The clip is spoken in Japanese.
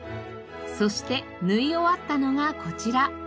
そして縫い終わったのがこちら。